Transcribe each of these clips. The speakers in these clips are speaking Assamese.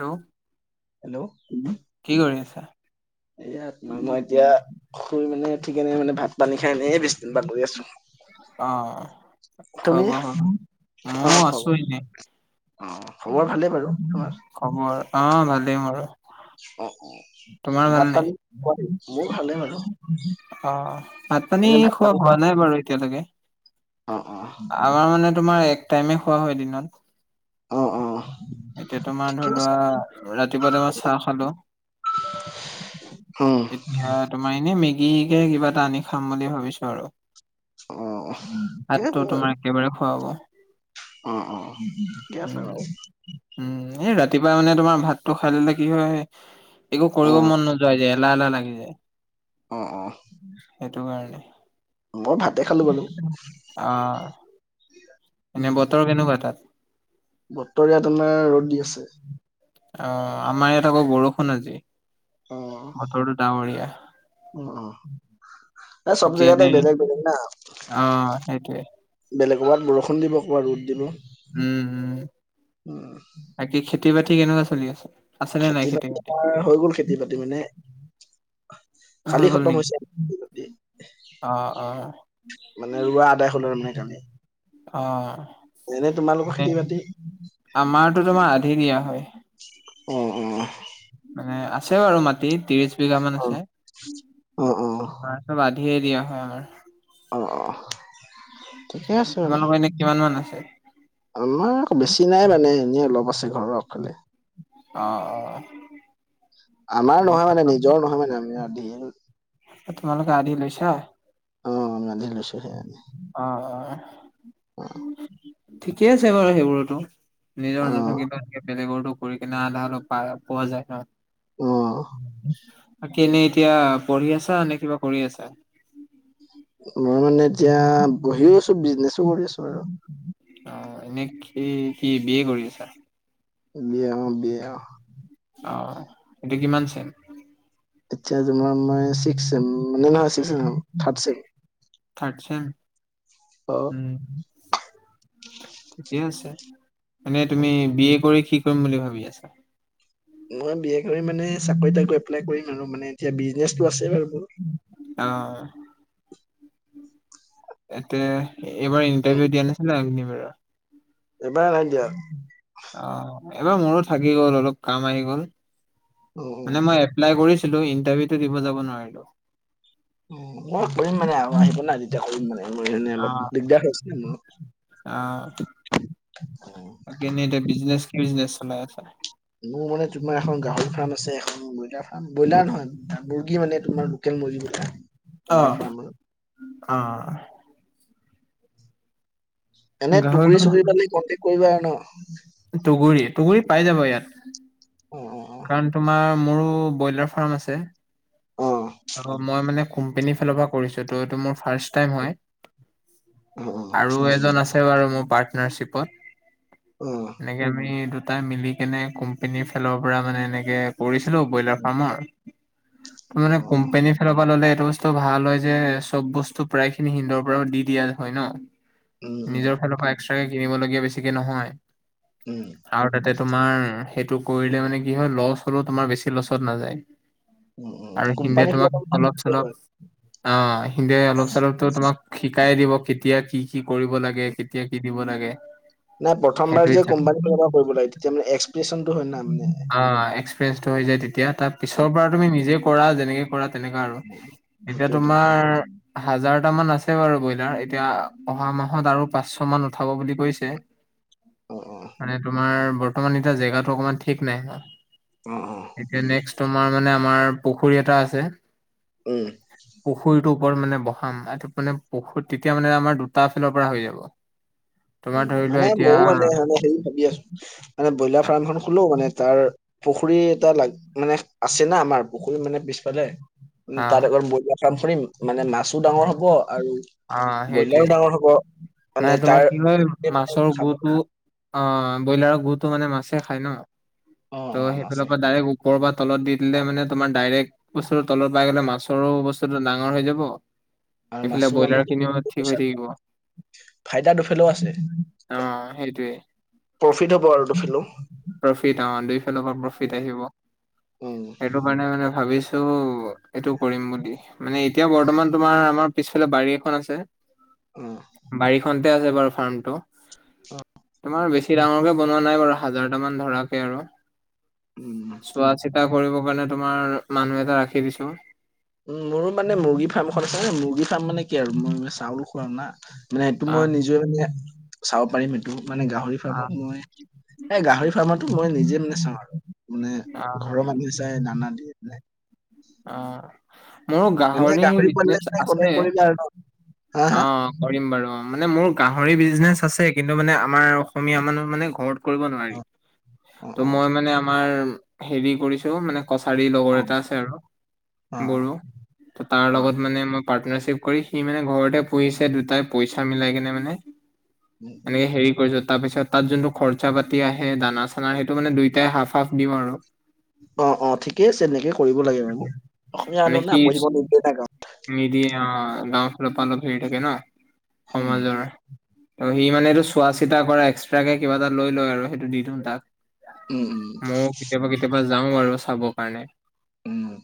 হেল্ল' হেল্ল' কি কৰি আছা? ইয়াত মই-মই এতিয়া খুই মানে উঠিকেনে মানে ভাত পানী খাই এনেইহে বিচনাত বাগৰি আছোঁ। [inaudible] অ' খোৱা-বোৱা হ'ল মইওঁ আছো এনে। অ'খবৰ ভালেই বাৰু তোমাৰ? খবৰ অ' ভালেই মোৰ। অ'অ' ভাত-পানী [unintelligible] মইওঁ ভালে বাৰো। অ' ভাত-পানী খোৱা হোৱা হ'ল? নাই বাৰু এতিয়ালৈকে। অ' অ' আমাৰ মানে তোমাৰ এক টাইমে খোৱা হয় দিনত। অ', অ', এতিয়া তোমাৰ ঠিকে ধৰি আছে লোৱা ৰাতিপুৱাতে মই চাহ খালোঁ। হম, এতিয়া তোমাৰ এনে মেগী কে কিবা এটা আনি খাম বুলি ভাবিছোঁ আৰু। অ', ঠিকে ভাতটো আছে। তোমাৰ একেবাৰে খুৱাব। অ', অ', উম, ঠিকে উম, আছে বাৰু এই ৰাতিপুৱা মানে তোমাৰ ভাতটো খাই লে কি হয় একো কৰিব অ', মন নোযোৱা হৈ যায় এলাহ, এলাহ লাগি যায়। অ' অ'। সেইটো কাৰণে। মই ভাতে খালোঁ বাৰু। অ', এনে বতৰ কেনেকুৱা তাত? বতৰ ইয়াত আমাৰ ৰ'দ দি আছে। অ'আমাৰ ইয়াত আকৌ বৰষুণ আজি অ', বতৰটো ডাৱৰীয়া। এ, চব বাকী জেগাতেই এনেই বেলেগ, বেলেগ না। অ সেইটোৱে বেলেগ ক'ৰবাত বৰষুণ দিব, ক'বাত ৰ'দ দিব উম, উম উম বাকী খেতি-বাতি কেনেকুৱা চলি আছে? আছেনে নাই খেতি খেতি-বাতি বাতি [unintelligible] হৈ গ'ল খেতি-বাতি মানে খালি হৈ গ'ল খতম নেকি হৈছে অ অ [unintelligible] মানে ৰোৱা আদায় হ'ল আৰু মানে কালি। অ' এনে তোমালোকৰ খেতি বাতি আমাৰতো তোমাৰ আধি দিয়া হয়। উম, উম। মানে আছে বাৰু মাটি তিৰিছ বিঘা মান অ আছে। অ আমাৰ চব আধিয়ে দিয়া হয়, আমাৰ। অ'অ'। তোমালোকৰ এনে কিমান মান আছে? [unintelligible] বেছি নাই মানে, এনেই অলপ আছে ঘৰৰ আগফালে। অ'অ'। আমাৰ নহয় মানে নিজৰ নহয় মানে আমাৰ অ', তোমালোক গাড়ী লৈছে। [unintelligible] অ', অ'। অ'। ঠিকেই আছে বাৰু সেইবোৰতো নিজৰ অ নাথাকিবা এনেকে বেলেগৰটো কৰি কিনে আধা অলপ পাই পোৱা যায় ন। অ এনেই এতিয়া পঢ়ি আছা নে কিবা কৰি আছা? মই মানে এতিয়া বহিও আছো বিজনেছো কৰি আছো আৰু অ', এনে কি কি বিয়ে কৰি আছা? বিয়ে অ', বিয়ে অ'। অ'হ, এইটো কিমান চেম? এতিয়া তোমাৰ মই চিক চেম মানে নহয় থাৰ্ড চেম। Third sem. অ থিকেই আছে মানে অ তুমি বি এ কৰি শি কি কৰিম বুলি ভাবি আছা। মই বি এ কৰি মানে চাকৰিতাক এপ্লাই কৰিম আৰু মানে এতিয়া বিজনেচটো আছে বাৰু মোৰ। অ'। এতে এইবাৰ ইণ্টাৰভিউ দিয়া নাছিলে এ বাৰ অ', এবাৰ নাই দিয়া। এবাৰ মোৰো থাকি গ'ল অলপ কাম আহি গল, অ অ মানে মই এপ্লাই কৰিছিলো, ইণ্টাৰভিউটো দিব যাব নোৱাৰিলো। মই কৰিম মানে আৰু আহিব না তেতিয়া কৰিম মানে মোৰানে অলপ দিগদাৰ হৈ হৈছে মোৰ আ'হ অ', সেইকাৰণে এতিয়া বিজনেচ কি বিজনেছ চলাই আছা। মোৰ মানে তোমাৰ এখন গাহৰি ফাৰ্ম আছে। ব্ৰইলাৰ ফাৰ্ম, ব্ৰইলাৰ নহয় মুৰ্গী মানে তোমাৰ লোকেল মুৰ্গী, অ', এনেকুৱা ফাৰ্ম আৰু অ'। এনে গাহৰিটো তুগুৰি- চুগুৰি পালে কণ্টেক্ট কৰিবা আৰু ন। তুগুৰি চুগুৰি পাই যাবা ইয়াত। অ অ কাৰণ তোমাৰ মোৰো ব্ৰইলাৰ ফাৰ্ম আছে অ অ আৰু মই মানে কোম্পানী ফালৰ পৰা কৰিছো ত সেইটো মোৰ ফাৰ্ট টাইম হয় অ আৰু এজন আছে। তেওঁ আৰু মোৰ পাৰ্টনাৰশ্বিপত অ'। এনেকে আমি দুটাই মিলি কেনে কোম্পনীৰ ফালৰ পৰা মানে এনেকে কৰিছিলো ব্ৰইলাৰ ফাৰ্মৰ মানে অ অ কোম্পানীৰ সফল হ'লে এইটো বস্তু ভাল হয় যে চব বস্তু প্ৰায় খিনি সিন্দৰ পৰাও দি দিয়া হয় ন। উম উম নিজৰ ফালৰ পৰা এক্সট্ৰাকে কিনিবলগীয়া বেছিকে নহয়। উ'ম। আৰু তাতে তোমাৰ সেইটো কৰিলে মানে কি হয়? লছ হ'লেও তোমাৰ বেছি লছত নাযায়। উম উম আৰু হিন্দীয়ে কোম্পানী ফালৰ পৰা তোমাক অলপ মানে -চলপ হয় অ', হিন্দীয়ে অলপ- চলপ টো তোমাক শিকাই দিব কেতিয়া কি কি কৰিব লাগে কেতিয়া কি দিব লাগে। নাই সেইটো প্ৰথমবাৰ যে হিচাপে কোম্পানী পৰা কৰিব লাগে। তেতিয়া মানে এক্সপ্ৰেচনটো হয় নাই মানে। অ', এক্সপিৰিয়েঞ্চটো হৈ যায় তেতিয়া তাৰ পিছৰ পৰা তুমি নিজে কৰা, যেনেকে কৰা তেনেকুৱা আৰু এতিয়া সেইটোৱেতো তোমাৰ হাজাৰটা মান আছে বাৰু ব্ৰইলাৰ এতিয়া অহা মাহত আৰু পাঁচশ মান উঠাব বুলি কৈছে। অ অ মানে তোমাৰ বৰ্তমান এতিয়া জেগাটো অকমান ঠিক নাই। অঁ-অঁ! এতিয়া নেক্সট তোমাৰ মানে আমাৰ পুখুৰী এটা আছে। উম! পুখুৰীটোৰ ওপৰত মানে বহাম তাত মানে পুখুৰী তেতিয়া মানে আমাৰ দুটা ফিলৰ পৰা হৈ যাব। তোমাৰ উম ধৰি লোৱা মানে এতিয়া ময়োও মানে-মানে হেৰি ভাবি আছোঁ। মানে ব্ৰইলাৰ ফাৰ্ম এখন খোলো মানে তাৰ পুখুৰী এটা লাগ মানে আছে না আমাৰ পুখুৰী মানে পিছফালে। অ', তাত অলপ ব্ৰইলাৰ ফাৰ্ম খুলিম মানে মাছো ডাঙৰ হ'ব আৰু অ', সেইটোৱে ব্ৰইলাও ডাঙৰ হ'ব মানে তোমাৰ তাৰ কি হয় গোটেই মানে মাছৰ খাব গুটো না। অঁ ব্ৰইলাৰৰ গুটো মানে মাছে খায় ন। অ ত' অ মাছে সেইফালৰ পৰা ডাইৰেক্ট ওপৰ পা তলত দি দিলে মানে তোমাৰ ডাইৰেক্ট বস্তুটো তলত পাই গ'লে মাছৰো বস্তুটো ডাঙৰ হৈ যাব। আৰু এইফালে মাছো আমি ব্ৰইলাৰ বিক্ৰী খিনিও কৰি ঠিক পইচা হৈ থাকিব। ফাইদা দুফালেও আছে, অ', সেইটোৱে প্ৰফিট হব আৰু দুফালেও। অঁ! দুই ফালৰ পৰা প্ৰফিট আহিব উম সেইটো কাৰণে মানে ভাবিছোঁ এইটো কৰিম বুলি মানে এতিয়া বৰ্তমান তোমাৰ আমাৰ পিছফালে বাৰী এখন আছে। উম বাৰীত খনতে আছে বাৰু ফাৰ্মটো। তোমাৰ বেছি ডাঙৰকে বনোৱা নাই বাৰু হাজাৰটামান ধৰাক কে আৰু উম চোৱা চিতা কৰিব কাৰণে তোমাৰ মানুহ এটা ৰাখি দিছোঁ। উম! মোৰ মানে মুৰ্গী ফাৰ্ম এখন আছে মুৰ্গী ফাৰ্ম মানে কি আৰু মই মে চাউল খুৱাম না। মানে সেইটো মই আহ নিজে মানে চাব পাৰিম সেইটো মানে গাহৰি আহ ফাৰ্মত মই এই গাহৰি ফাৰ্মতো মই নিজে মানে চাওঁ আৰু মানে আহ ঘৰৰ মানুহে চাই দানা দিয়ে মাই। অঁ! মোৰ এনে গাহৰি পোৱালিলে বিজনেছ মানে আছে কন্টেক কৰিবা আৰু ন? হা হা অঁ। কৰিম বাৰু অঁ মানে মোৰ গাহৰি বিজনেচ আছে কিন্তু মানে আমাৰ অসমীয়া মানুহ মানে ঘৰত কৰিব অ নোৱাৰে। অ ত' অ মই মানে আমাৰ হেৰি কৰিছোঁ মানে কছাৰী লগৰ এটা আছে আৰু অ অ অ বড়ো ত তাৰ অ লগত মানে মই পাৰ্টনাৰশ্বিপ কৰি সি মানে ঘৰতে পুহিছে দুটাই পইচা মিলাই কেনে মানে। উম, উম। এনেকে হেৰি কৰিছে তাৰ পিছত তাত যোনটো খৰচা পাতি আহে দানা-চানা সেইটো মানে দুইটাই হাফ-হাফ দিওঁ আৰু। অঁ-অঁ ঠিকেই আছে তেনেকে কৰিব লাগে বাৰু অসমীয়া মানে মানুহ না সি পুহিব নিদিয়ে না গাহ নিদিয়ে অঁ গাওঁ ফালৰ পা অলপ হেৰি থাকে ন উম সমাজৰ। সি মানে এইটো চোৱা চিতা কৰা এক্সট্ৰাকে কিবা এটা লৈ লয় আৰু সেইটো দি দিওঁ তাক। উম উম ময়োও কেতিয়াবা-কেতিয়াবা যাওঁ বাৰু চাব কাৰণে। উম!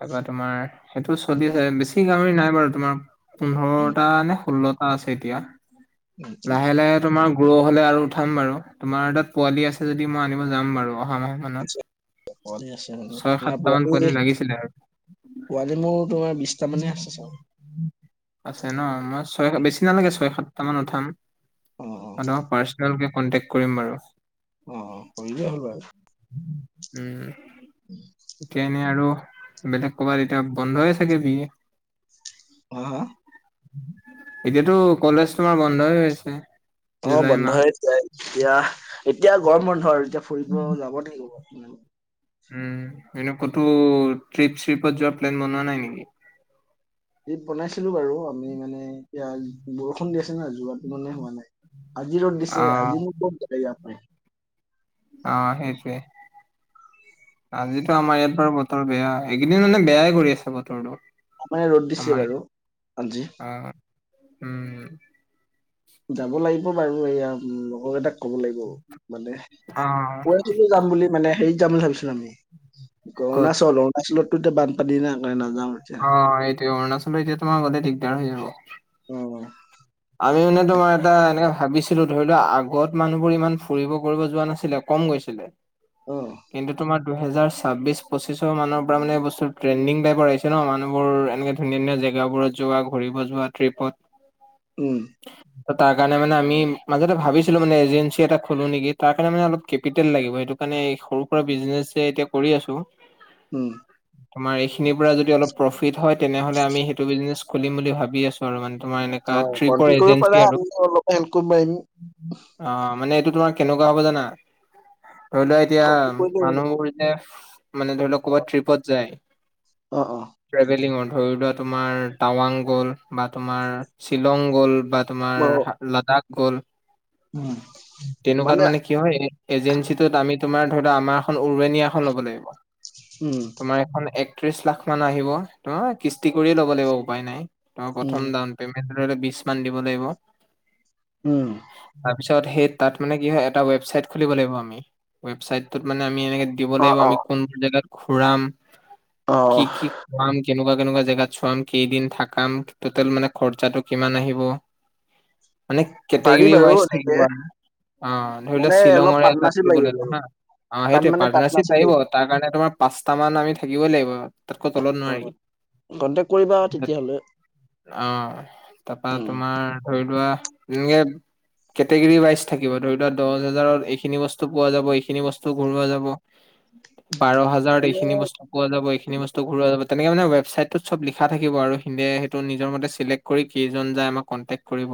তাৰপৰা তোমাৰ সেইটো চলি আছে বেছি গাহৰি নাই বাৰু তোমাৰ উম পোন্ধৰটা নে ষোল্লটা আছে এতিয়া উম উম লাহে-লাহে তোমাৰ গ্ৰ হ'লে আৰু উঠাম বাৰু তোমাৰ তাত পোৱালি আছে যদি মই আনিব যাম বাৰু অহা মাহ মানত আছে, পোৱালি আছে মানে ছয়, তোমাৰ সাতটা মান পোৱালি লাগিছিলে আৰু। পোৱালি মোৰ তোমাৰ বিছটা মানে আছে চাগে। আছে ন মই ছয় বেছি নালাগে ছয়, সাতটা মান উঠাম অ অ মনুহ পাৰ্চ [inaudible] আপোনালৈকে কণ্টেক কৰিম বাৰু। অঁ! কৰিলেই হ'ল বাৰু। উম! সেইকাৰণে আৰু বেলেগ ক'ৰবাত এতিয়া বন্ধয়েই চাগে বি। হ হ? এতিয়াতো কলেজ তোমাৰ বন্ধ হৈ আছে।। অঁ' জুলাই মাহ বন্ধই আছে, এতিয়া এতিয়া গৰম বন্ধ আৰু এতিয়া ফুৰিব যাব লাগিব, উমঁ'। উমঁ' এনে ক'তো ট্ৰিপ চিপত যোৱা প্লেন বনোৱা নাই নেকি? ট্ৰিপ বনাইছিলোঁ বাৰু আমি মানে এতিয়া বৰষুণ দি আছে ন' যোৱাটো মানে হোৱা নাই। আজি ৰ'দ অ দিছে আজি নো ক'ত [unintelligible] অঁ' সেইটোৱে। আজিতো আমাৰ ইয়াত বাৰু বতৰ বেয়া, এইকেইদিন মানে বেয়াই কৰি আছে বতৰটো। আমাৰ ইয়াত ৰ'দ দিছে বাৰু আজি। অঁ' অঁ'। উমঁ। যাব লাগিব বাৰু এয়া লগৰকেইটাক ক'ব লাগিব। মানে অ, কৈছিলোঁ যাম বুলি- মানে হেৰিত যাম বুলি ভাবিছিলোঁ আমি ক'ত অৰুণাচল, অৰুণাচলততো এতিয়া বানপানী না নাযাওঁ আৰু। অঁ' এইটোৱে, অৰুণাচলত এতিয়া তোমাৰ গ'লে দিগদাৰ হৈ যাব। অঁ'। আমি মানে তোমাৰ এটা এনেকে ভাবি ছোঁ ধৰি লোৱা আগত মানুহবোৰ ইমান ফুৰিব কৰিব যোৱা নাছিলে কম গৈছিলে। অহ'। কিন্তু তোমাৰ দুহেজাৰ ছাব্বিছ পঁচিছৰ মানৰ পৰা মানে বস্তুটো ট্ৰেণ্ডিং টাইপৰ আহি ন' মানুহবোৰ এনেকে- ধুনিয়া ধুনিয়া জেগাবোৰত যোৱা ঘূৰিব যোৱা ট্ৰিপত। উমঁ। তাৰ কাৰণে আমি মাজতে ভাবিছিলোঁ মানে এজেঞ্চি এটা খোলো নেকি তাৰ কাৰণে মানে অলপ কেপিটেল লাগিব সেইটো- মানে এই সৰু সুৰা বিজনেচ এ এতিয়া কৰি আছোঁ। উমঁ। আমাৰ এইখিনিৰ পৰা যদি অলপ প্ৰফিট হয় তেনে হ'লে আমি সেইটো বিজনেছ খুলিম বুলি ভাবি আছোঁ আৰু মানে তোমাৰ- এনেকা অঁ' ট্ৰিপৰ কন্তিনিও কৰিব এজেঞ্চি পাৰা [unintelligible] অলপ হেল্প কৰিব পাৰিম। অঁ' মানে এইটো তোমাৰ কেনেকুৱা হ'ব জানা- ধৰি লোৱা এতিয়া কণ্টেক্ট কৰিলে হ'ল। মানুহবোৰ যে মানে ধৰি লওক ক'বাত ট্ৰিপত যায়- অঁ' অঁ'। ট্ৰেভেলিঙৰ ধৰি লোৱা তোমাৰ টাৱাং গ'ল বা তোমাৰ শ্বিলং গ'ল বা- বাৰু তোমাৰ লাডাখ গ'ল উম তেনেকুৱাত মানে- কি হয় এজেঞ্চিটোত আমি তোমাৰ ধৰি আমাৰ এখন উৰুৱেনিয়া এখন ল'ব লাগিব। উমঁ। মানে এইখন একত্ৰিশ লাখ মানহ আহিব তোমাৰ কিস্তি কৰিয়ে ল'ব লাগিব উপায় নাই, তোমাৰ উম প্ৰথম দাউন- পেমেণ্ট টো ধৰি লওঁক বিশ মান দিব লাগিব। উমঁ। তাৰপিছত সেই তাত মানে কি হয় এটা ৱেবচাইট খুলিব লাগিব আমি, ৱেবচাইটটো মানে আমি এনেকে- দিব অ লাগিব অ আমি কোনবোৰ জেগাত ঘূৰাম, অ কি কি- ঘূৰাম কেনেকুৱা কেনেকুৱা জেগাত চোৱাম, কেইদিন থাকাম, টোটেল মানে- খৰচাতো কিমান আহিব মানে পাৰি কেটেগৰী বাৰু ৱাইজ এনেকে থাকিব আৰু। অঁ' ধৰি লোৱা মানে অলপ শ্বিলংৰে এটা পাৰ্টনাৰশ্বিপ ট্ৰিপ লাগিব ওলালোঁ বাৰু হা- অঁ' সেইটোৱে, পাৰ্টনাৰশ্বিপ লাগিব তাৰ কাৰণে তোমাৰ পাঁচটা মান আমি থাকিবই লাগিব তাতকৈ তলত অ নোৱাৰি। কণ্টেক্ট কৰিবা তেতিয়া হ'লে। অঁ' তাপা তোমাৰ ধৰি লোৱা এনেকে- কেটেগেৰী ৱাইজ থাকিব, ধৰি লোৱা দহ হাজাৰত এইখিনি বস্তু পোৱা যাব এইখিনি বস্তু ঘূৰোৱা যাব। বাৰ হাজাৰত মানে এইখিনি বস্তু পোৱা যাব, এইখিনি বস্তু ঘূৰোৱা যাব, তেনেক মানে ৱেবচাইটোত চব লিখা থাকিব আৰু সিহঁতে সেইটো নিজৰ মতে চিলেক্ট কৰী কেইজন জাই আমাক কণ্টেক কৰিব,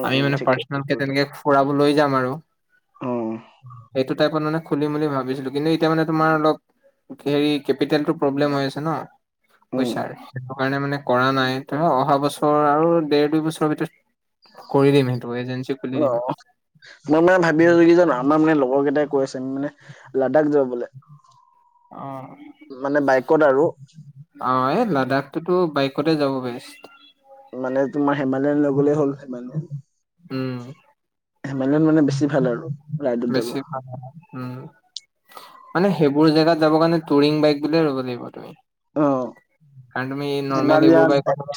উম আমি উম মানে ঠিকে পাৰ্চেনেলকে তেনেকে ফুৰাব লৈ যাম আৰু, উম সেইটোত টাইপত মানে খুলিম ভাবিছিলোঁ‌, কিন্তু এতিয়া মানে তোমাৰ অলপ হেৰি কেপিটেলটো প্ৰব্লেম হৈ আছে ন উম পইচাৰ, সেইটো কাৰণে মানে কৰা নাই। তেওঁ অহা বছৰ আৰু দেৰ দুই বছৰৰ ভিতৰত কৰি দিম সেইটো, এজেঞ্চি খুলি দিম। অ', মই মানে ভাবি আছোঁ কি জানা? আমাৰ মানে লগৰ কেইটাই কৈ আছং মানে, লাডাখ যাবলে। অ'। বাইকত আৰু অ' এ লাডাখটোতো বাইকতে যাব বেষ্ট। মানে তোমাৰ হেমালায়ন লৈ গলে হ'ল, হেমালায়ন। উম, হেমালয়ান মানে বেছি ভাল আৰু, ৰাইডত যাব। [unintelligible] উম, মানে সেইবোৰ জেগাত যাব কাৰণে টুৰিং বাইক বুলিয়ে ল'ব লাগিব তুমি। অ কাৰণ তুমি নৰ্মেল এইবোৰ হিমালয়ান বাইকত তোমা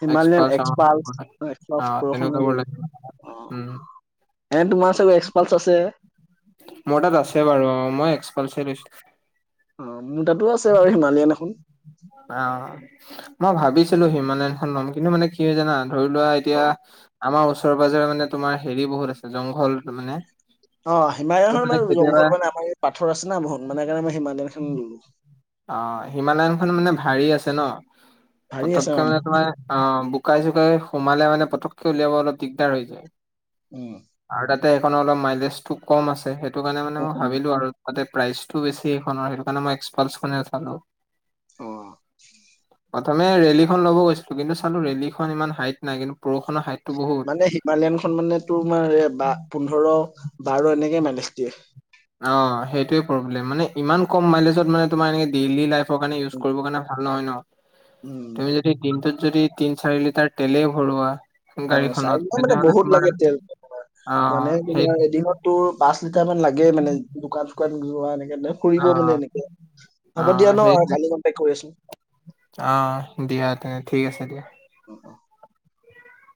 হিমালয়ান এক্সপাৰ্চ এক্সপালচ [unintelligible] এক্সপালচ অ', বৰষুণ তেনে হৈ [unintelligible] উম [unintelligible] এন্দ তোমাৰ চাগে এক্সপাল্টছ আছে। মোৰ তাত আছে বাৰু অ', মই এক্সপালচে লৈছোঁ। অ', মোৰ তাতো আছে বাৰু, হিমালয়ন এখন। অ', মই ভাবিছিলোঁ‌ হিমালয়ানখন লম কিন্তু মানে কি হয় জানা, ধৰি লোৱা অ এতিয়া আমাৰ ওচৰে পাজৰে মানে তোমাৰ হেৰি বহুত আছে, জংঘল মানে। অ', ত' হিমালিয়নখন মানে জংঘ কেতিয়াবা মানে আমা ইয়াত পাথৰ আছে ন বহত, মানে কাৰণে মই হিমালিয়ানখন ললোঁ। অ', হিমালয়নখন মানে ভাৰী আছে ন, ভাৰী আছে পতককে অ মানে তোমাৰ অ', বোকাই চুকাই সোমালে মানে, পটককে উলিয়াব অলপ দিগদাৰ হৈ যায়। উম। আৰু তাতে এইখন অলপ মাইলেজটো কম আছে, সেইটো কাৰণে মানে মই উম, ভাবিলোঁ‌ আৰু তাতে প্ৰাইচটো বেছি এইখনৰ, সেইটো কাৰণে মই এক্সপাল খনে উঠালো। অ'। প্ৰথমে ৰেলী খন ল'ব গৈছিলোঁ‌, কিন্তু চালো ৰেলী খন ইমান হাইট নাই কিন্তু পৰষুণৰ হাইট টো বহুত। এ, হিমালয়ান খন মানে তোমাৰ বা পোন্ধৰ বাৰ এনেকে মাইলেষ্ট দিয়ে। অ', সেইটোৱে প্ৰব্লেম, মানে ইমান কম মাইলেজত মানে তোমাৰ ডেইলী লাইফত ফৰ কাৰনে ইউজ কৰিব কাৰণে ভাল নহয় ন, উম তুমি য দি দিনটোত যদি তিন চাৰি লিটাৰ তেলেই ভৰোৱা অ', চাই গাড়ীখনত লিটাৰ মানে তেনেহলে বহুত তোমাৰ লাগে তেল তো তোমাৰ অ মানে সেই তোমাৰ এদিনত তোৰ পাঁচ লিটাৰ মান লাগে মানে দোকান-চোকান যোৱা এনেকে। সেনে ফুৰিব মানে অ', এনেকে, হ'ব দিয়া অ', ন, সেইটোৱে কালি কণ্টেক্ট কৰি আছোঁ‌। অ', দিয়া তেনে ঠিক আছে দিয়া। অ'-অ'।